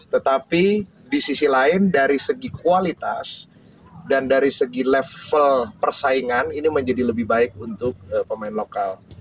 tetapi di sisi lain dari segi kualitas dan dari segi level persaingan ini menjadi lebih baik untuk pemain lokal